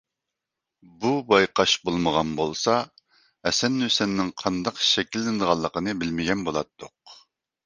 بۇ بايقاش بولمىغان بولسا، ھەسەن - ھۈسەننىڭ قانداق شەكىللىنىدىغانلىقىنى بىلمىگەن بولاتتۇق.